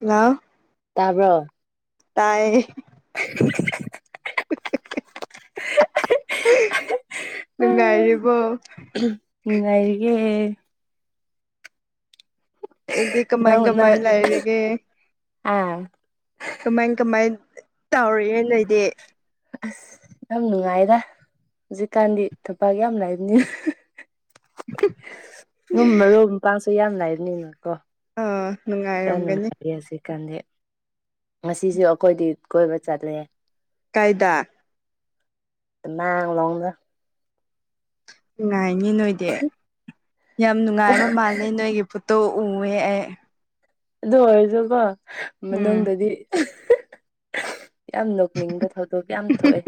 ꯂꯥꯎ ꯇꯥꯕ꯭ꯔꯣ ꯇꯥꯏꯌꯦ [inaudible] [unintelligible] ꯅꯨꯡꯉꯥꯏꯔꯤꯕꯣ ꯅꯨꯡ ꯉꯥꯏꯔꯤꯌꯦ ꯅꯪꯗꯤ ꯀꯃꯥꯏ ꯅꯪꯅ ꯀꯃꯥꯏ ꯂꯥꯏꯔꯤꯒꯦ ꯑꯥ ꯀꯃꯥꯏ ꯀꯃꯥꯏ ꯇꯧꯔꯤꯑꯦ ꯅꯣꯏꯗꯤ ꯑꯁ ꯌꯥꯝ ꯅꯨꯡꯉꯥꯏꯗ ꯍꯧꯖꯤꯛꯀꯥꯟꯗꯤ ꯊꯄꯛ ꯌꯥꯝ ꯂꯥꯏꯕꯅꯤꯅ ꯑꯗꯨꯝ ꯃꯔꯨ ꯄꯥꯡꯁꯨ ꯌꯥꯝ ꯂꯩꯥꯏꯔꯤꯕꯅꯤꯅ ꯀꯣ ꯑꯥ ꯅꯨꯡꯉꯥꯏꯔꯝꯒꯅꯤ ꯀꯗꯤ ꯉꯁꯤꯁꯨ ꯑꯈꯣꯏꯗꯤ ꯀꯣꯏꯕ ꯆꯠꯂꯦ ꯀꯥꯏꯗꯥ ꯇꯃꯦꯡ ꯂꯣꯡꯗ ꯅꯨꯡꯉꯥꯏꯅꯤ ꯅꯣꯏꯗꯤ ꯌꯥꯝ ꯅꯨꯡꯉꯥꯏꯕ ꯃꯥꯜꯂꯦ ꯅꯣꯏꯒꯤ ꯐꯣꯇꯣ ꯎꯦꯌꯦ ꯑꯩ ꯑꯗꯨ ꯑꯣꯏꯔꯁꯨꯀꯣ ꯎꯝ ꯃꯅꯨꯡꯗꯗꯤ ꯌꯥꯝ ꯅꯣꯛꯅꯤꯡꯕ ꯊꯧꯗꯣꯛ ꯌꯥꯝ ꯊꯣꯛꯑꯦ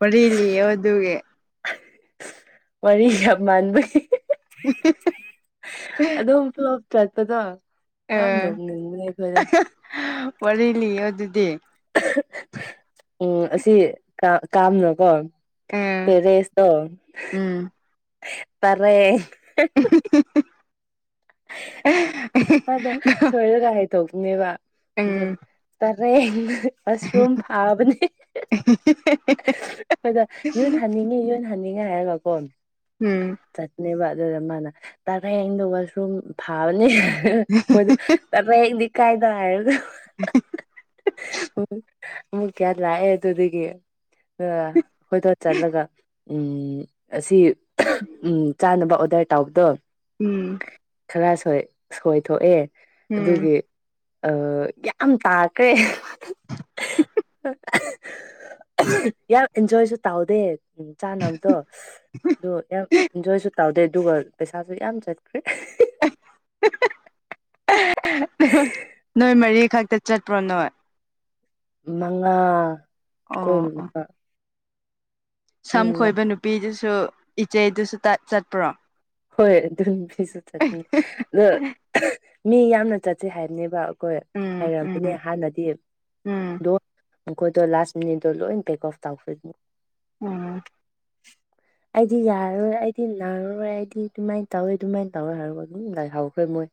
ꯋꯥꯔꯤꯂꯤꯌꯨ ꯑꯗꯨꯒꯤ ꯋꯥꯔꯤ ꯌꯥꯝ ꯃꯥꯟꯕꯩ ꯑꯗꯨꯝ ꯄ꯭ꯂꯣꯞ ꯆꯠꯄꯗ ꯑꯥ ꯋꯥꯔꯤꯂꯤꯌꯣ ꯑꯗꯨꯗꯤ ꯎꯝ ꯑꯁꯤ ꯀꯥꯝꯅꯣꯀꯣ ꯑꯥ ꯇꯦꯔꯦꯁꯇꯣ ꯎꯝ ꯇꯔꯦ [inaudible] ꯑꯗ ꯁꯣꯏꯔꯒ ꯍꯥꯏ ꯇꯧꯕꯅꯦꯕ ꯑꯗꯨ ꯎꯝ ꯇꯔꯦꯡ ꯃꯁꯔꯨꯝ ꯊꯥꯕꯅꯦ ꯑꯈꯣꯏꯗ ꯌꯨꯟ ꯍꯟꯅꯤꯡꯉꯤ ꯌꯨꯟ ꯍꯅꯤꯡꯉꯥꯏ ꯍꯥꯏꯔꯒꯀꯣ ꯎꯝ ꯆꯠꯄꯅꯦꯕ ꯑꯗꯨꯗ ꯃꯥꯅ ꯇꯥꯔꯦꯡꯗꯣ ꯔꯨꯝ ꯊꯥꯕꯅꯤ ꯑꯈꯣꯏꯗ ꯇꯔꯦꯡꯗꯤ ꯀꯥꯏꯗ ꯍꯥꯏꯔꯒ ꯍꯍꯍ ꯑꯃꯨꯛ ꯀꯌꯥ ꯒ꯭ꯌꯥꯟ ꯂꯥꯛꯑꯦ ꯑꯗꯨꯗꯒꯤ ꯑꯈꯣꯏꯗꯣ ꯆꯠꯂꯒ ꯎꯝ ꯑꯁꯤ ꯎꯝ ꯆꯥꯅꯕ ꯑꯣꯗ꯭ꯔ ꯇꯧꯕꯗꯣ ꯎꯝ ꯈꯔ ꯁꯣꯏꯊꯣꯛꯑꯦ ꯎꯝ ꯑꯗꯨꯒꯤ ꯑꯥ ꯌꯥꯝ ꯇꯥꯈ꯭ꯔꯦ ꯌꯥꯝ ꯑꯤꯟꯖꯣꯏꯁꯨ ꯇꯧꯗꯦ ꯎꯝ ꯆꯥꯅꯕꯗꯣ ꯑꯗꯨ ꯌꯥꯝ ꯏꯟꯖꯣꯏꯁꯨ ꯇꯥꯎꯗꯦ ꯑꯗꯨꯒ ꯄꯩꯁꯥꯁꯨ ꯌꯥꯝ ꯆꯠꯈ꯭ꯔꯦ [unintelligible] ꯅꯣꯏ ꯃꯔꯤ ꯈꯛꯇ ꯆꯠꯄ꯭ꯔꯣ ꯅꯣꯏ ꯃꯉꯥ ꯀꯣꯏ ꯑꯣ ꯑꯣ ꯃꯉꯥ ꯃꯤ ꯁꯝ ꯃꯉꯥ ꯈꯣꯏꯕ ꯅꯨꯄꯤꯗꯨꯁꯨ ꯏꯆꯦꯗꯨꯁꯨ ꯆꯠꯄ꯭ꯔꯣ ꯍꯣꯏ ꯑꯗꯨꯝ ꯃꯤꯁꯨ ꯆꯠꯉ ꯑꯗꯣ ꯃꯤ ꯌꯥꯝꯅ ꯆꯠꯁꯦ ꯍꯥꯏꯕꯅꯦꯕ ꯑꯈꯣꯏ ꯎꯝ ꯎꯝ ꯍꯩꯔꯝꯕꯅꯦ ꯍꯥꯟꯅꯗꯤ ꯎꯝ ꯗꯣ ꯑꯈꯣꯏꯗꯣ ꯂꯥꯁ ꯃꯤꯅꯤꯠꯗꯣ ꯂꯣꯏꯅ ꯄꯦꯛ ꯑꯣꯐ ꯇꯧꯈꯣꯏꯅꯤ ꯎꯝ ꯑꯩꯗꯤ ꯌꯥꯔꯣꯏ ꯑꯩꯗꯤ ꯅꯪꯔꯔꯣꯏ ꯗꯤ ꯀꯃꯥꯏ ꯇꯥꯎꯋꯦ ꯑꯗꯨꯃꯥꯏꯅ ꯇꯥꯎꯋꯦ ꯍꯥꯏ ꯑꯗꯨ ꯂ ꯍꯥꯎꯈꯦ ꯃꯣꯏ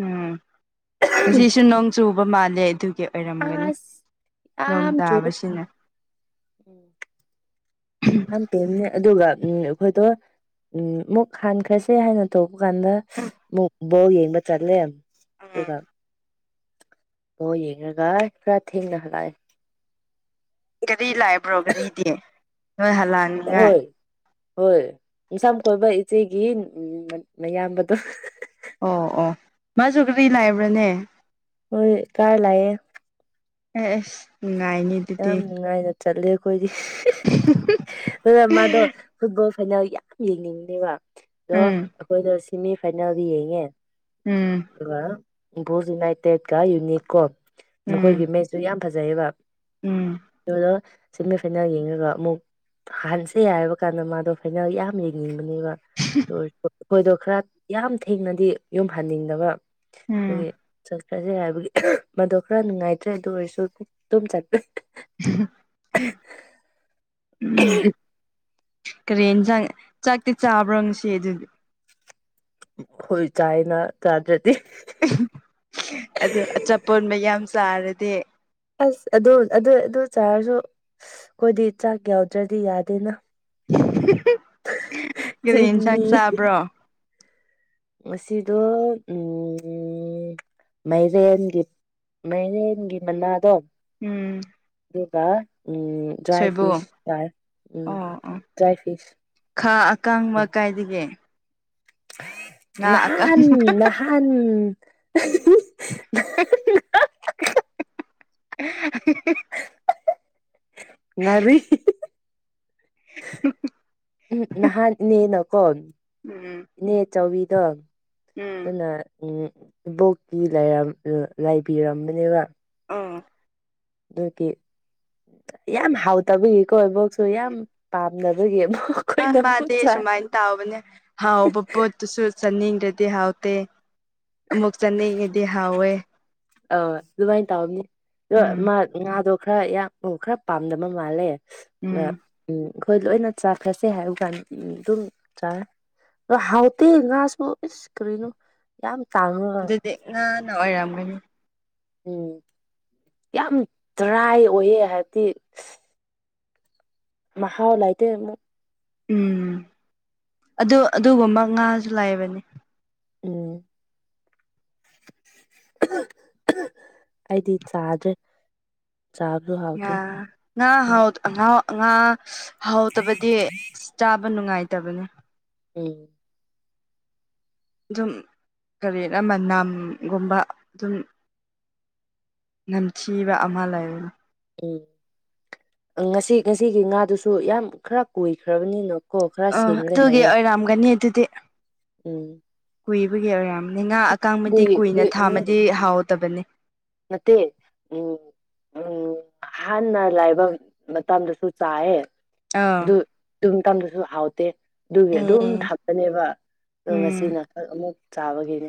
ꯎꯝ ꯉꯁꯤꯁꯨ ꯅꯣꯡ ꯆꯨꯕ ꯃꯥꯜꯂꯦ ꯑꯗꯨꯒꯤ ꯑꯣꯏꯔꯝꯒꯅꯤ ꯑꯁ ꯅꯣꯡ ꯌꯥꯝ ꯆꯨꯋꯦ ꯇꯥꯕꯁꯤꯅ ꯎꯝ ꯌꯥꯝ ꯇꯦꯝꯅꯦ ꯑꯗꯨꯒ ꯎꯝ ꯑꯩꯈꯣꯏꯗꯣ ꯎꯝ ꯃꯨꯛ ꯍꯥꯟꯈ꯭ꯔꯁꯦ ꯍꯥꯏꯅ ꯇꯧ ꯕꯨ ꯀꯥꯟꯗꯨ ꯕꯣꯜ ꯌꯦꯡꯕ ꯆꯠꯂꯦ ꯎꯝ ꯑꯗꯨꯒ ꯕꯣꯜ ꯌꯦꯡꯔꯒ ꯈꯔꯥ ꯊꯦꯡꯅ ꯍꯂꯛꯑꯦ ꯒꯥꯔꯤ ꯂꯥꯏꯕ꯭ꯔꯣ ꯒꯥꯔꯤꯗꯤ ꯅꯣꯏ ꯍꯜꯂꯛꯅꯤꯡꯉꯥꯏ ꯍꯣꯏ ꯍꯣꯏ ꯅꯨꯡꯁꯥꯝ ꯀꯣꯏꯕ ꯏꯆꯦꯒꯤ ꯃꯌꯥꯝꯕꯗꯣ ꯑꯣ ꯑꯣ ꯃꯥꯁꯨꯨ ꯒ꯭ꯔꯤ ꯂꯥꯢꯕ꯭ꯔꯥꯅꯦ ꯍꯣꯏ ꯀꯥꯔ ꯂꯩꯑꯦ ꯑꯦ ꯅꯨꯡꯉꯥꯏꯅꯤ ꯑꯗꯨꯗꯤ ꯌꯥꯝ ꯅꯨꯡꯉꯥꯏꯅ ꯆꯠꯂꯦ ꯑꯩꯈꯣꯏꯗꯤ ꯑꯗꯨꯒ ꯃꯥꯗꯣ ꯐꯨꯠꯕꯣꯜ ꯐꯥꯏꯅꯦꯜ ꯌꯥꯝ ꯌꯦꯡꯅꯤꯡꯅꯦꯕ ꯑꯗꯣ ꯎꯝ ꯑꯩꯈꯣꯏꯅ ꯁꯤꯦꯃꯤ ꯐꯥꯏꯅꯦꯜꯗ ꯌꯦꯡꯉꯦ ꯎꯝ ꯑꯗꯨꯒ ꯏꯝꯄꯣꯁ ꯌꯨꯅꯥꯏꯇꯦꯠꯀ ꯌꯨꯅꯤꯠ ꯀꯣ ꯎꯝ ꯃꯈꯣꯏꯒꯤ ꯃꯦꯠꯆꯁꯨꯨ ꯌꯥꯝ ꯐꯖꯩꯑꯕ ꯎꯝ ꯑꯗꯨꯅ ꯁꯦꯃꯤ ꯐꯥꯏꯅꯦꯜ ꯌꯦꯡꯔꯒ ꯑꯃꯨꯛ ꯍꯟꯁꯦ ꯍꯥꯏꯕ ꯀꯥꯟꯗ ꯃꯥꯗꯣ ꯐꯥꯏꯅꯦꯜ ꯌꯥꯝ ꯌꯦꯡꯅꯤꯡ ꯑꯗꯨꯒ ꯑꯩꯈꯣꯏꯗꯣ ꯈꯔ ꯌꯥꯝ ꯊꯦꯡꯅꯗꯤ ꯌꯨꯝꯍꯟꯅꯤꯡꯗꯕ ꯎꯝ ꯑꯗꯨꯒꯤ ꯆꯠꯈ꯭ꯔꯁꯦ ꯍꯥꯏꯕꯒꯤ ꯃꯗꯣ ꯈꯔ ꯅꯨꯡꯉꯥꯏꯇ꯭ꯔꯦ ꯑꯗꯨ ꯑꯣꯏꯔꯁꯨ ꯑꯗꯨ ꯆꯄ ꯎꯝ ꯀꯔꯤ ꯌꯦꯟꯁꯥꯡ ꯆꯥꯛꯇꯤ ꯆꯥꯕ꯭ꯔꯣ ꯉꯁꯤ ꯑꯗꯨꯗꯤ ꯍꯣꯏ ꯆꯥꯏꯌꯦꯅ ꯆꯥꯗ꯭ꯔꯗꯤ ꯑꯗꯨ ꯑꯆꯥꯄꯣꯠ ꯃꯌꯥꯝ ꯆꯥꯔꯗꯤ ꯑꯁ ꯑꯗꯨ ꯑꯗꯨ ꯑꯗꯨ ꯆꯥꯔꯁꯨ ꯑꯩꯈꯣꯏꯗꯤ ꯆꯥꯛ ꯌꯥꯎꯗ꯭ꯔꯗꯤ ꯌꯥꯗꯦꯅ ꯀꯔꯤ ꯆꯤꯡꯃꯤ ꯑꯦꯟꯁꯥꯡ ꯆꯥꯕ꯭ꯔꯣ ꯉꯁꯤꯗꯣ ꯎ ꯃꯥꯏꯔꯦꯟꯒꯤ ꯃꯥꯏꯔꯦꯟꯒꯤ ꯃꯅꯥꯗꯣ ꯎꯝ ꯑꯗꯨꯒ ꯎꯝ ꯗ꯭ꯔꯥꯏ ꯁꯣꯏꯕꯨꯝ ꯐꯤꯁ ꯊꯥꯔ ꯎꯝ ꯑꯣ ꯑꯣ ꯗ꯭ꯔꯥꯏ ꯐꯤꯁ ꯈꯥ ꯑꯀꯥꯡꯕ ꯀꯥꯏꯗꯒꯦ ꯅꯍꯥꯟ ꯅꯍꯥꯟ ꯑꯍ ꯍ ꯑꯍ ꯍ ꯍ ꯍ ꯍ ꯍ ꯍ ꯉꯥꯢꯔꯨꯢ ꯎꯝ ꯅꯍꯥꯟ ꯅꯦ ꯅ ꯀꯣ ꯎꯝ ꯏꯅꯦ ꯆꯧꯕꯤꯗꯣ ꯎꯝ ꯑꯗꯨꯅ ꯎꯝ ꯏꯕꯣꯛꯇꯤ ꯂꯩꯔꯝ ꯂꯩꯕꯤꯔꯝꯕꯅꯦꯕ ꯑꯝ ꯑꯗꯨꯒꯤ ꯌꯥꯝ ꯍꯥꯎꯇꯕꯤꯒꯤꯀꯣ ꯏꯕꯣꯛꯁꯨ ꯌꯥꯝ ꯄꯥꯝ ꯅꯕꯒꯤ ꯑ ꯃꯥꯗꯤ ꯁꯨꯃꯥꯏꯅ ꯇꯥꯎꯕꯅꯦ ꯍꯥꯎꯕ ꯄꯣꯠꯇꯨꯁꯨ ꯆꯥꯅꯤꯡꯗ꯭ꯔꯗꯤ ꯍꯥꯎꯇꯦ ꯑꯃꯨꯛ ꯆꯠꯅꯤꯡꯉꯗꯤ ꯍꯥꯎꯋꯦ ꯑ ꯑꯗꯨꯃꯥꯏꯅ ꯇꯧꯕꯅꯤ ꯑꯗꯣ ꯎꯝ ꯃꯥ ꯉꯥꯗꯣ ꯈꯔ ꯌꯥꯝ ꯈꯔ ꯄꯥꯝꯗꯕ ꯃꯥꯜꯂꯦ ꯑ ꯎꯝ ꯑꯩꯈꯣꯏ ꯂꯣꯏꯅ ꯆꯥꯈ꯭ꯔꯁꯦ ꯍꯥꯏꯕ ꯀꯥꯟꯗ ꯑꯗꯨꯝ ꯆꯥꯔ ꯑꯣ ꯍꯥꯎꯇꯦ ꯉꯥꯁꯨ ꯏꯁ ꯀꯔꯤꯅꯣ ꯌꯥꯝ ꯇꯥꯡꯉꯒ ꯑꯗꯨꯗꯤ ꯉꯥ ꯅꯥ ꯑꯣꯏꯔꯝꯒꯅꯤ ꯎꯝ ꯌꯥꯝ ꯗ꯭ꯔꯥꯏ ꯑꯣꯏꯌꯦ ꯍꯥꯏꯕꯗꯤ ꯃꯍꯥꯎ ꯂꯩꯇꯦ ꯑꯃꯨꯛ ꯎꯝ ꯑꯗꯨ ꯑꯗꯨꯒꯨꯝꯕ ꯉꯥꯁꯨ ꯂꯥꯏꯕꯅꯤ ꯎꯝ ꯑꯩꯗꯤ ꯆꯥꯗ꯭ꯔꯦ ꯆꯥꯕꯁꯨ ꯍꯥꯎꯇꯦ ꯉꯥ ꯉꯥ ꯍꯥꯎꯗ ꯑꯥꯉꯧ ꯑꯥꯉꯥ ꯍꯥꯎꯗꯕꯗꯤ ꯑꯁ ꯆꯥꯕ ꯅꯨꯡꯉꯥꯏꯇꯕꯅꯦ ꯎꯝ ꯑꯗꯨꯝ ꯀꯔꯤꯔ ꯃꯅꯝꯒꯨꯝꯕ ꯑꯗꯨꯝ ꯅꯝꯊꯤꯕ ꯑꯃ ꯂꯩꯕꯅꯤ ꯎꯝ ꯉꯁꯤ ꯉꯁꯤꯒꯤ ꯉꯥꯗꯨꯁꯨ ꯌꯥꯝ ꯈꯔ ꯀꯣꯏꯈ꯭ꯔꯕꯅꯤꯅ ꯑꯣ ꯑꯗꯨꯒꯤ ꯑꯣꯏꯔꯝꯒꯅꯤ ꯑꯗꯨꯗꯤ ꯎꯝ ꯀꯨꯏꯕꯒꯤ ꯑꯣꯏꯔꯝ ꯅꯍꯥ ꯑꯀꯥꯡꯕꯗꯤ ꯀꯨꯏ ꯀꯨꯏꯅ ꯀꯨꯏ ꯎꯝ ꯊꯥꯝꯃꯗꯤ ꯍꯥꯎꯗꯕꯅꯤ ꯅꯠꯇꯦ ꯎꯝ ꯎꯝ ꯍꯥꯟꯅ ꯂꯥꯏꯕ ꯃꯇꯝꯗꯁꯨ ꯆꯥꯏꯑꯦ ꯑꯥ ꯑꯗꯨ ꯑꯗꯨ ꯇꯝꯗꯁꯨ ꯍꯥꯎꯇꯦ ꯑꯗꯨꯒꯤ ꯑꯗꯨꯝ ꯑꯦ ꯊꯞꯀꯅꯦꯕ ꯑꯗꯨ ꯉꯁꯤ ꯎꯝ ꯃꯀꯜ ꯑꯃꯨꯛ ꯆꯥꯕꯒꯤꯅꯦ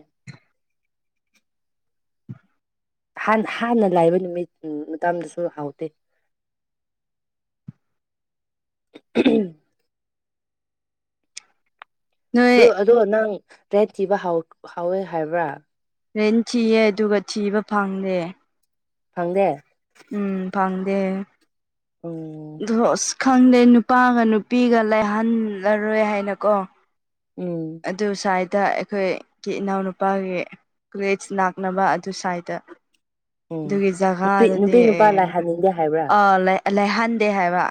ꯍꯥꯟ ꯍꯥꯟꯅ ꯂꯩꯕ ꯅꯨꯃꯤꯠ ꯃꯇꯝꯗꯁꯨ ꯍꯥꯎꯇꯦ [unintelligible] ꯅꯣꯏ ꯗꯣ ꯑꯗꯣ ꯅꯪ ꯔꯦꯟ ꯊꯤꯕ ꯍꯧ ꯍꯥꯎꯋꯦ ꯍꯥꯏꯕ꯭ꯔꯥ ꯔꯦꯟ ꯊꯤꯌꯦ ꯑꯗꯨꯒ ꯊꯤꯕ ꯐꯪꯗꯦ ꯐꯪꯗꯦ ꯎꯝ ꯐꯪꯗꯦ ꯑꯣ ꯑꯗꯣ ꯑꯁ ꯈꯪꯗꯦ ꯅꯨꯄꯥꯒ ꯅꯨꯄꯤꯒ ꯂꯩꯍꯜꯂꯔꯣꯏ ꯍꯥꯏꯅꯀꯣ ꯎꯝ ꯑꯗꯨꯁꯥꯏ ꯗ ꯑꯈꯣꯏꯒꯤ ꯏꯅꯥꯎꯅꯨꯄꯥꯒꯤ ꯀ꯭ꯔꯦꯁ ꯂꯥꯛꯅꯕ ꯑꯗꯨ ꯁ꯭ꯋꯥꯏꯗ ꯎꯝ ꯑꯗꯨꯒꯤ ꯖꯒꯥꯗꯗꯤ ꯅꯨꯄꯤ ꯅꯨꯄꯥ ꯂꯥꯏ ꯍꯟꯅꯤꯡꯗꯦ ꯍꯥꯏꯕ꯭ꯔꯥ ꯑꯥ ꯂꯩꯍꯟꯗꯦ ꯍꯥꯏꯕ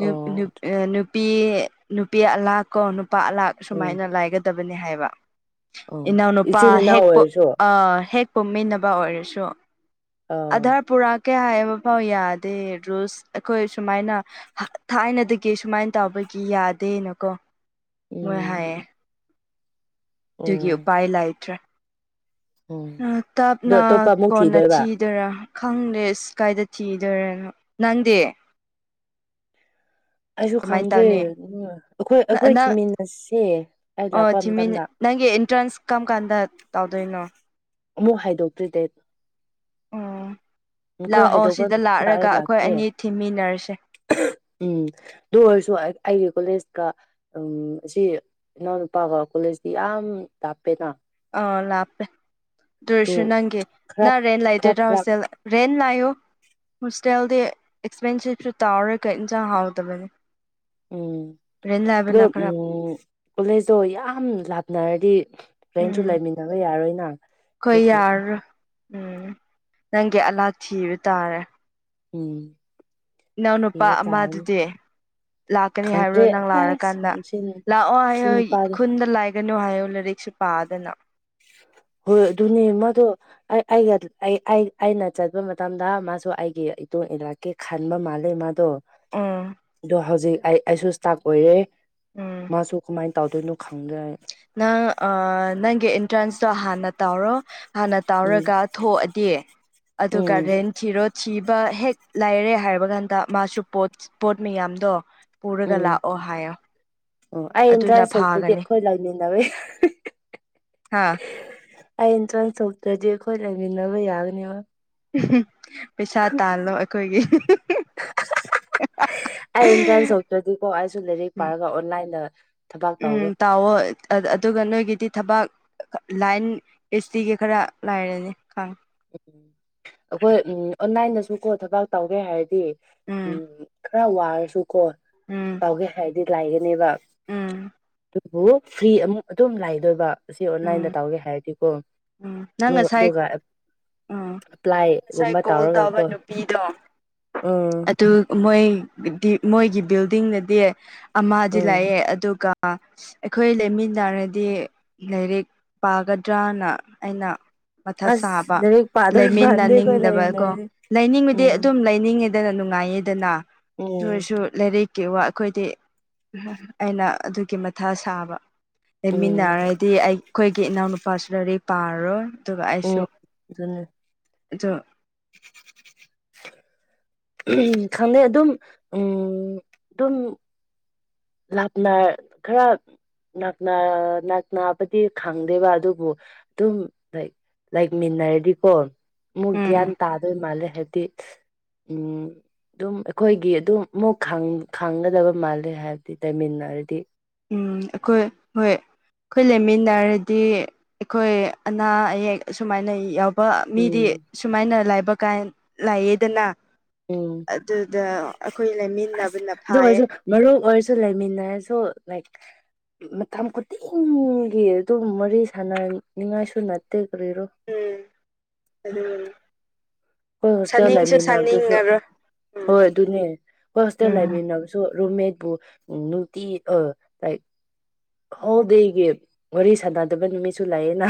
ꯅꯨꯞ ꯅꯨꯞ ꯑ ꯅꯨꯞ ꯅꯨꯄꯤ ꯅꯨꯄꯤ ꯑꯂꯥꯛ ꯀꯣ ꯅꯨꯄꯥ ꯑꯂꯥꯛ ꯎꯝ ꯁꯨꯃꯥꯏꯅ ꯂꯥꯏꯒꯗꯕꯅꯤ ꯍꯥꯏꯕ ꯑꯣ ꯏꯅꯥꯎ ꯅꯨꯄꯥ ꯏꯆꯤꯟ ꯏꯅꯥꯎ ꯍꯦꯣꯛ ꯑꯣꯏꯔꯁꯨ ꯑꯥ ꯍꯦꯛ ꯄꯨꯝꯃꯤꯟꯅꯕ ꯑꯣꯏꯔꯁꯨ ꯑꯥ ꯑꯙꯔ ꯄꯨꯔꯥ ꯀꯦ ꯍꯥꯏꯕ ꯐꯥꯎ ꯌꯥꯗꯦ ꯔꯨꯁ ꯑꯈꯣꯏ ꯁꯨꯃꯥꯏꯅ ꯊꯥꯏꯅꯗꯒꯤ ꯁꯨꯃꯥꯏꯅ ꯇꯧꯕꯒꯤ ꯒꯤ ꯌꯥꯗꯦꯅꯀꯣ ꯃꯣꯏ ꯎꯝ ꯍꯥꯏꯌꯦ ꯑꯗꯨꯒꯤ ꯎꯝ ꯎꯄꯥꯏ ꯂꯩꯇ꯭ꯔꯦ ꯎꯝ ꯑꯗꯣ ꯇꯞꯅ ꯑꯇꯣꯞꯄ ꯑꯃꯨꯛ ꯀꯣꯟꯅ ꯊꯤꯗꯣꯏꯕ ꯆꯤꯗꯣꯏꯔꯥ ꯈꯪꯗꯦ ꯑꯁ ꯀꯥꯏꯗ ꯊꯤꯗꯣꯏꯔꯣꯅꯣ ꯅꯪꯗꯤ ꯑꯩꯁꯨ ꯀꯃꯥꯏꯅ ꯈꯪꯗ꯭ꯔꯦ ꯇꯧꯅꯤ ꯑꯈꯣꯏ ꯑꯈꯣꯏ ꯅꯪ ꯊꯤꯃꯤꯟꯅꯁꯦ ꯑꯩ ꯑꯣ ꯂꯥꯛꯄ ꯊꯤꯃꯤ ꯃꯇꯝꯗ ꯅꯪꯒꯤ ꯑꯤꯟꯇ꯭ꯔꯥꯟꯁ ꯀꯔꯝ ꯀꯥꯟꯗ ꯇꯧꯗꯣꯏꯅꯣ ꯑꯃꯨꯛ ꯍꯥꯏꯗꯣꯛꯇ꯭ꯔꯤ ꯗꯦꯠ ꯑꯣ ꯑꯈꯣꯏ ꯂꯥꯛꯑꯣ ꯍꯥꯏꯗꯣꯛꯄ ꯁꯤꯗ ꯂꯑ ꯂꯥꯛꯔꯒ ꯑꯩꯈꯣꯏ ꯂꯥꯛꯀꯦ ꯑꯅꯤ ꯊꯤꯃꯤꯟꯅꯔꯁꯦ ꯎꯝ ꯑꯗꯨ ꯑꯣꯏꯔꯁꯨ ꯑꯩꯒꯤ ꯀꯣꯂꯦꯖꯀ ꯎꯝ ꯑꯁꯤ ꯏꯅꯥꯎꯅꯨꯄꯥꯒ ꯀꯣꯂꯦꯖꯇꯤ ꯌꯥꯝ ꯎꯝ ꯂꯥꯞꯄꯦꯗ ꯑꯥ ꯂꯥꯛꯞꯄꯦ ꯗꯨ ꯑꯗꯨ ꯑꯣꯔꯁꯨ ꯅꯪꯒꯤ ꯈꯔ ꯅꯪ ꯔꯦꯟ ꯈꯔ ꯂꯩꯗꯣꯏꯗ꯭ꯔꯥ ꯐꯔꯛ ꯍꯣꯁꯦꯜ ꯔꯦꯟ ꯂꯩꯌꯣ ꯍꯣꯁꯇꯦꯜꯗꯤ ꯑꯦꯛꯁꯄꯦꯟꯁꯤꯞꯁꯨ ꯇꯥꯎꯔ ꯀ ꯏꯟꯁꯥꯡ ꯍꯥꯎꯗꯕꯅꯤ ꯎꯝ ꯔꯦꯟ ꯑꯗꯣ ꯂꯥꯏꯕꯅ ꯈꯔ ꯀꯣꯂꯦꯖꯇꯣ ꯌꯥꯝ ꯂꯥꯞꯅꯔꯗꯤ ꯐ꯭ꯔꯦꯟꯁꯨ ꯎꯝ ꯂꯩꯃꯤꯟꯅꯕ ꯌꯥꯔꯣꯏꯅ ꯑꯩꯈꯣꯏ ꯑꯗꯨꯒꯤ ꯌꯥꯔꯔꯣꯏ ꯎꯝ ꯅꯪꯒꯤ ꯑꯂꯥ ꯊꯤꯕ ꯇꯥꯔꯦ ꯎꯝ ꯏꯅꯥꯎꯅꯨꯄꯥ ꯊꯤꯕ ꯇꯥꯔꯅꯤ ꯑꯃꯗꯨꯗꯤ ꯂꯥꯛꯀꯅꯤ ꯍꯥꯏꯕ꯭ꯔꯣ ꯈꯪꯗ꯭ꯔꯦ ꯅꯪ ꯑꯁ ꯂꯥꯛꯔꯀꯥꯟꯗ ꯁꯤ ꯂꯥꯛꯑꯣ ꯁꯤ ꯍ ꯅꯨꯄꯥꯗꯣ ꯈꯨꯟꯗ ꯂꯥꯏ ꯅꯣ ꯍꯥꯏꯌꯣ ꯂꯥꯏꯔꯤꯁꯨ ꯄꯥꯗꯅ [inaudible] ꯍꯣꯏ ꯑꯗꯨꯅꯦ ꯃꯗꯣ ꯑꯩꯒ ꯑꯩꯅ ꯆꯠꯄ ꯃꯇꯝꯗ ꯃꯥꯁꯨ ꯑꯩꯒꯤ ꯏꯂꯛꯀꯦ ꯈꯥꯟꯕꯕ ꯃꯥꯂꯦ ꯃꯥꯗꯣ ꯎꯝ ꯑꯣ ꯍꯧꯖꯤꯛ ꯑꯩ ꯑꯩꯁꯨ ꯏꯁꯇꯥꯥꯛ ꯑꯣꯏꯔꯦ ꯎꯝ ꯃꯥꯁꯨ ꯀꯃꯥꯏꯅ ꯇ ꯇꯧꯗꯣꯏꯅꯣ ꯈꯪꯗꯦ ꯑꯩ ꯅꯪ ꯅꯪꯒꯤ ꯑꯦꯟꯇ꯭ꯔꯥꯟꯁꯇꯣ ꯍꯥꯟꯅ ꯇꯧꯔꯣ ꯍꯥꯟꯅ ꯎꯝ ꯇꯥꯎꯔꯒ ꯊꯣꯛꯑꯗꯤ ꯑꯗꯨꯒ ꯎꯝ ꯔꯦꯟ ꯊꯤꯔꯣ ꯊꯤꯕ ꯍꯦꯛ ꯂꯥꯏꯔꯦ ꯍꯥꯏꯔ ꯀꯥꯟꯗ ꯃꯥꯁꯨ ꯄꯣꯠ ꯄꯣꯠ ꯃꯌꯥꯝꯗꯣ ꯄꯨꯔꯒ ꯎꯝ ꯂꯥꯛꯑꯣ ꯍꯥꯏꯌꯣ ꯑꯗꯨꯅ ꯐꯥꯒꯅꯤ ꯂꯩꯃꯤꯟꯅꯕꯒꯤ ꯍꯥ ꯑꯧ ꯏꯟꯇ꯭ꯔꯥꯟꯁ ꯊꯣꯛꯇ꯭ꯔꯗꯤ ꯑꯈꯣꯏ ꯂꯩꯃꯤꯟꯅꯕ ꯌꯥꯒꯅꯤꯕ ꯄꯩꯁꯥ ꯇꯥꯜꯂꯣ ꯑꯈꯣꯏꯒꯤ [unintelligible] ꯑꯩ ꯑꯦꯟꯇ꯭ꯔꯥꯟꯁ ꯊꯣꯛꯗ꯭ꯔꯗꯤꯀꯣ ꯑꯩꯁꯨ ꯂꯥꯏꯔꯤꯛ ꯄꯥꯔꯒ ꯑꯣꯟꯂꯥꯏꯟꯗ ꯊꯕꯥꯛ ꯎꯝ ꯇꯧꯒꯦ ꯇꯥꯎꯋꯣ ꯑꯗꯨꯒ ꯅꯣꯏꯒꯤꯗꯤ ꯊꯕꯛ ꯂꯥꯏꯟ ꯑꯦꯁ ꯇꯤꯒꯤ ꯈꯔ ꯂꯥꯏꯔꯅꯤ ꯈꯪꯉꯦ ꯑꯈꯣꯏ ꯎꯝ ꯑꯣꯟꯂꯥꯏꯟꯗꯁꯨ ꯀꯣ ꯊꯕꯥꯛ ꯇꯧꯒꯦ ꯍꯥꯏꯔꯗꯤ ꯎꯝ ꯈꯔ ꯋꯥꯔꯁꯨꯀꯣ ꯎꯝ ꯇꯧꯒꯦ ꯍꯥꯏꯗꯤ ꯂꯥꯏꯒꯅꯦꯕ ꯎꯝ ꯑꯗꯨꯕꯨ ꯐ꯭ꯔꯤ ꯑꯃꯨꯛ ꯑꯗꯨꯝ ꯂꯥꯏꯗꯣꯏꯕ ꯑꯁꯤ ꯎꯝ ꯑꯣꯟꯂꯥꯏꯟꯗ ꯇꯧꯒꯦ ꯍꯥꯏꯔꯗꯤꯀꯣ ꯎꯝ ꯅꯪ ꯉꯁꯥꯏ ꯑꯗꯨꯒ ꯎꯝ ꯉꯁꯥꯏ ꯄ꯭ꯂꯥꯏꯒꯨꯝꯕ ꯀꯣꯜ ꯇꯧꯕ ꯇꯧꯔꯒꯀꯣ ꯅꯨꯄꯤꯗꯣ ꯑꯗꯨ ꯃꯣꯏ ꯃꯣꯏꯒꯤ ꯕꯤꯜꯗꯤꯡꯗꯗꯤ ꯑꯃꯗꯤ ꯎꯝ ꯂꯩꯑꯦ ꯑꯗꯨꯒ ꯑꯈꯣꯏ ꯂꯩꯃꯤꯟꯅꯔꯗꯤ ꯂꯥꯏꯔꯤꯛ ꯄꯥꯒꯗ꯭ꯔꯅ ꯑꯩꯅ ꯃꯊꯛ ꯑꯁ ꯁꯥꯕ ꯂꯥꯏꯔꯤꯛ ꯄꯥꯗꯣꯏ ꯃꯥꯟꯗꯦ ꯑꯩꯈꯣꯏ ꯂꯩꯔꯤ ꯂꯩꯃꯤꯟꯅꯅꯤꯡꯗꯕ ꯀꯣ ꯂꯩꯔꯤ ꯂꯩꯅꯤꯡꯕꯗꯤ ꯎꯝ ꯑꯗꯨꯝ ꯂꯩꯅꯤꯡꯉꯤ ꯗꯅ ꯅꯨꯡꯉꯥꯏꯌꯦꯗꯅ ꯗꯨ ꯎꯝ ꯑꯣꯏꯔꯁꯨ ꯂꯥꯏꯔꯤꯛ ꯀꯩꯋꯥ ꯑꯈꯣꯏꯗꯤ ꯑꯩꯅ ꯑꯗꯨꯒꯤ ꯃꯊꯥ ꯁꯥꯕ ꯎꯝ ꯂꯩꯃꯤꯟꯅꯔꯗꯤ ꯑꯩ ꯑꯈꯣꯏꯒꯤ ꯏꯅꯥꯎꯅꯨꯄꯥꯁꯨ ꯂꯥꯏꯔꯤꯛ ꯄꯥꯔꯔꯣꯏ ꯎꯝ ꯑꯗꯨꯅꯦ ꯑꯗꯣ [inaudible] ꯎ ꯈꯪꯗ ꯑꯗꯨ ꯑꯗꯨꯝ ꯎꯝ ꯑꯗꯨ ꯑꯗꯨꯝ ꯂꯥꯞꯂ ꯈꯔ ꯅꯛꯅ ꯅꯛꯅꯕꯗꯤ ꯈꯪꯗꯦꯕ ꯑꯗꯨꯕꯨ ꯗꯨꯝ ꯂꯩꯃꯤꯟꯅꯔꯗꯤꯀꯣ ꯑꯃꯨꯛ ꯎꯝ ꯒ꯭ꯌꯥꯟ ꯇꯥꯗꯣꯏ ꯃꯥꯜꯂꯦ ꯍꯥꯏꯕꯗꯤ ꯎꯝ ꯑꯗꯨꯝ ꯑꯈꯣꯏꯒꯤ ꯑꯗꯨꯝ ꯑꯃꯨꯛ ꯈꯥꯡꯒꯗꯕ ꯃꯥꯜꯂꯦ ꯍꯥꯏꯕ ꯂꯩꯃꯤꯟꯅꯔꯗꯤ ꯎꯝ ꯑꯈꯣꯏ ꯍꯣꯏ ꯑꯈꯣꯏ ꯂꯩꯃꯤꯟꯅꯔꯗꯤ ꯑꯈꯣꯏ ꯑꯅꯥ ꯑꯌꯦꯛ ꯑꯁꯨꯃꯥꯏꯅ ꯌꯥꯎ ꯃꯤꯗꯤ ꯎꯝ ꯁꯨꯃꯥꯏꯅ ꯂꯥꯏꯕ ꯀꯥꯏ ꯂꯥꯏꯌꯦꯗꯅ ꯎꯝ ꯑꯗꯨꯗ ꯑꯩꯈꯣꯏ ꯑꯁ ꯂꯩꯃꯤꯟꯅꯕꯅ ꯑꯗꯨ ꯐꯥꯏꯌꯦ ꯑꯣꯏꯁꯨ ꯃꯔꯨꯞ ꯑꯣꯏꯔꯁꯨ ꯁꯨ ꯂꯩꯃꯤꯟꯅꯔꯦꯁꯨ ꯂꯥꯏꯛ ꯃꯇꯝ ꯈꯨꯗꯤꯡꯒꯤ ꯑꯗꯨꯝ ꯋꯥꯔꯤ ꯁꯥꯟꯅꯅꯤꯡꯉꯥꯏꯁꯨ ꯅꯠꯇꯦ ꯀꯔꯤꯔꯣ ꯎꯝ ꯑꯗꯨꯅꯤ ꯑꯈꯣꯏ ꯍꯣꯁꯇꯦꯜ ꯂꯩꯃꯤꯟꯅꯕꯗꯨꯁꯨ ꯁꯥꯅꯤꯡꯉꯔꯣꯏ ꯎꯝ ꯍꯣꯏ ꯑꯗꯨꯅꯦ ꯑꯈꯣꯏ ꯍꯣꯁꯇꯦꯜ ꯎꯝ ꯂꯩꯃꯤꯟꯅꯕꯁꯨ ꯔꯨꯝꯃꯦꯠꯄ ꯅꯨꯡꯇꯤ ꯑꯥ ꯑꯣꯜꯗꯦꯒꯤ ꯋꯥꯔꯤ ꯁꯥꯟꯅꯗꯕ ꯅꯨꯃꯤꯠꯁꯨ ꯂꯩꯑꯦꯅ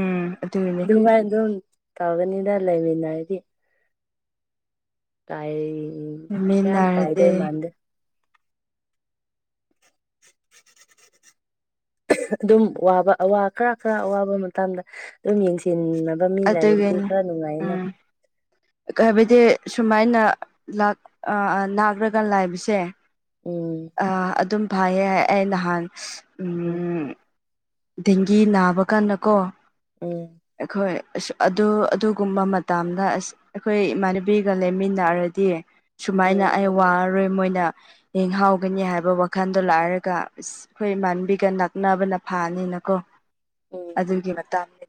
ꯎꯝ ꯑꯗꯨꯒꯤꯅꯤ ꯗꯨꯃꯥꯏ ꯗꯨꯝ ꯇꯧꯒꯅꯤꯅ ꯂꯩꯃꯤꯟꯅꯔꯗꯤ ꯇꯥꯏꯌꯦ ꯀꯩꯝ ꯀꯥꯏꯗ ꯂꯩꯃꯤꯟꯅꯔꯗꯤ ꯃꯥꯟꯗꯦ [inaudible] ꯑꯗꯨꯝ ꯋꯥꯕ ꯋꯥ ꯈꯔ ꯈꯔ ꯑꯋꯥꯕ ꯃꯇꯝꯗ ꯑꯗꯨꯝ ꯌꯦꯡꯁꯤꯂ ꯕ ꯃꯤ ꯂꯩꯔꯗꯤ ꯑꯗꯨꯒꯤꯅꯤ ꯈꯔ ꯅꯨꯡꯉꯥꯏꯅ ꯀꯩ ꯍꯥꯏꯕꯗꯤ ꯁꯨꯃꯥꯏꯅ ꯂꯥꯛ ꯑ ꯅꯥꯛꯔꯒ ꯂꯥꯏꯕꯁꯦ ꯎꯝ ꯑ ꯑꯗꯨꯝ ꯐꯩꯌꯦ ꯑꯩ ꯅꯍꯥꯟ ꯎꯝ ꯗꯦꯡꯒꯤ ꯅꯥꯕ ꯀꯥꯟꯗꯀꯣ ꯎꯝ ꯑꯩꯈꯣꯏ ꯑꯁ ꯑꯗꯨ ꯑꯗꯨꯒꯨꯝꯕ ꯃꯇꯝꯗ ꯑꯁ ꯑꯩꯈꯣꯏ ꯏꯃꯥꯟꯅꯕꯤꯒ ꯂꯩꯃꯤꯟꯅꯔꯗꯤ ꯁꯨꯃꯥꯏꯅ ꯎꯝ ꯑꯩ ꯋꯥꯔꯔꯣꯏ ꯃꯣꯏꯅ ꯌꯦꯡꯍꯥꯎꯒꯅꯤ ꯍꯥꯏꯕ ꯋꯥꯈꯜꯗꯣ ꯂꯥꯏꯔꯒ ꯑꯁ ꯑꯩꯈꯣꯏ ꯏꯃꯥꯟꯕꯤꯒ ꯅꯛꯅꯕꯅ ꯐꯥꯅꯤꯅꯀꯣ ꯎꯝ ꯑꯗꯨꯒꯤ ꯃꯇꯥꯡꯅꯤ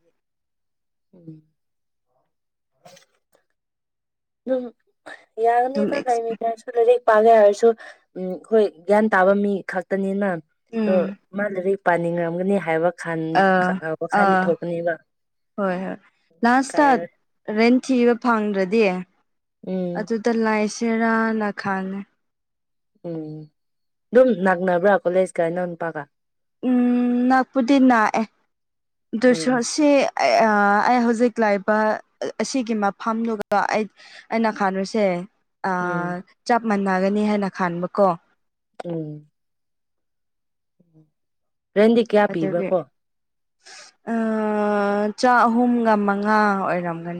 ꯑꯗꯨꯝ ꯑꯗꯨꯝ ꯌꯥꯒꯅꯤꯗ ꯂꯥꯏꯔꯤꯛ ꯇꯁꯨ ꯂꯥꯏꯔꯤꯛ ꯄꯥꯒꯦ ꯍꯥꯏꯔꯁꯨ ꯎꯝ ꯑꯩꯈꯣꯏ ꯒ꯭ꯌꯥꯟ ꯇꯥꯕ ꯃꯤ ꯈꯛꯇꯅꯤꯅ ꯑꯗꯣ ꯎꯝ ꯃꯥ ꯂꯥꯏꯔꯤꯛ ꯄꯥꯅꯤꯡꯔꯝꯒꯅꯤ ꯍꯥꯏꯕ ꯈꯟ ꯑ ꯋꯥꯈꯜꯗꯤ ꯑꯥ ꯊꯣꯛꯀꯅꯦꯕ ꯍꯣꯢ ꯍꯣꯢ ꯂꯥꯁꯇ ꯀꯥꯏꯔꯣꯏ ꯔꯦꯟꯠ ꯊꯤꯕ ꯐꯪꯗ꯭ꯔꯗꯤ ꯎꯝ ꯑꯗꯨꯗ ꯂꯥꯏꯁꯤꯔꯥꯅ ꯈꯟꯂꯦ ꯎꯝ ꯑꯗꯨꯝ ꯅꯛꯅꯕ꯭ꯔꯥ ꯀꯣꯂꯦꯖ ꯀ ꯑꯩꯅꯧ ꯅꯨ ꯄꯒ ꯎꯝ ꯅꯥꯛꯄꯨꯗꯤ ꯅꯥꯛꯑꯦ ꯑꯗꯨ ꯎꯝ ꯁꯣ ꯁꯤꯞ ꯑꯩ ꯑ ꯑꯩ ꯍꯧꯖꯤꯛ ꯂꯥꯛꯏꯕ ꯑꯁꯤꯒꯤ ꯃꯐꯝꯗꯨꯒ ꯑꯩ ꯑꯩꯅ ꯈꯟꯕꯁꯦ ꯑ ꯎꯝ ꯆꯞ ꯃꯥꯟꯅꯔꯅꯤ ꯍꯥꯏꯅ ꯈꯥꯟꯕꯀꯣ ꯎꯝ ꯔꯦꯟꯗꯤ ꯀꯌꯥ ꯄꯤꯕ ꯀꯣ ꯑꯥ ꯆ ꯑꯍꯨꯝꯒ ꯃꯉꯥ ꯑꯣꯏꯔꯝꯒꯅꯤ